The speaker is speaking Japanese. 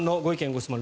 ・ご質問